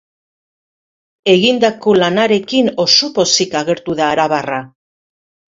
Egindako lanarekin oso pozik agertu da arabarra.